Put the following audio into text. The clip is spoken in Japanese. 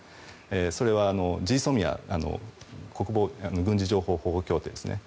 それはＧＳＯＭＩＡ・軍事情報保護協定ですね。